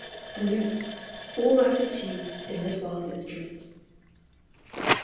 " A note All out of tune in this world's instrument."